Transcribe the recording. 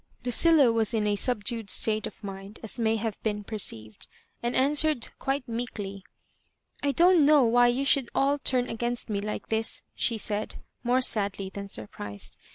Lucilla was in a subdued state of mind, as may have been perceived, and answered quite meekly. *'I don't know why you should all turn against me like this,'' she said, more sadly than surprised.